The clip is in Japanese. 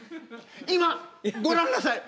今ご覧なさい！